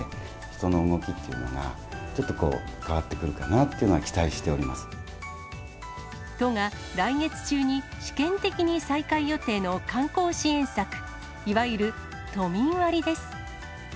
人の動きっていうのが、ちょっと変わってくるかなというのは期待都が、来月中に試験的に再開予定の観光支援策、いわゆる都民割です。